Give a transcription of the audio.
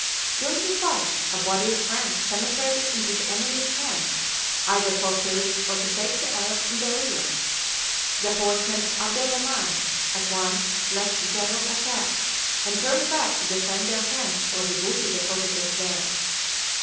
During the fight, a body of Franks penetrated into the enemy's camp, either for pillage or to take the Arabs in the rear. The horsemen of Abdel Rhaman at once left the general attack, and turned back to defend their camp or the booty deposited there.